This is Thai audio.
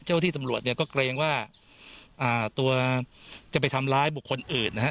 ที่ตำรวจเนี่ยก็เกรงว่าตัวจะไปทำร้ายบุคคลอื่นนะฮะ